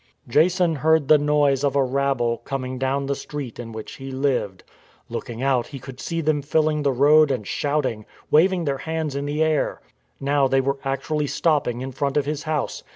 Jason heard the noise of a rabble coming down the street in which he lived. Looking out he could see them filling the road and shouting, waving their hands in the air. Now they were actually stopping in front of his house.